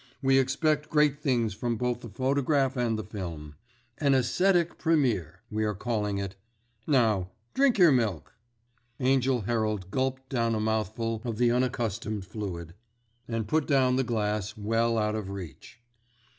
We expect great things from both the photograph and the film. 'An Ascetic Premier' we are calling it. Now drink your milk." Angell Herald gulped down a mouthful of the unaccustomed fluid, and put down the glass well out of reach.